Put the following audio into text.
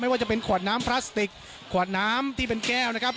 ว่าจะเป็นขวดน้ำพลาสติกขวดน้ำที่เป็นแก้วนะครับ